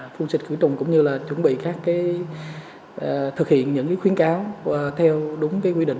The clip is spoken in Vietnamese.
phun xịt cửa chủng cũng như là chuẩn bị các cái thực hiện những khuyến cáo theo đúng cái quy định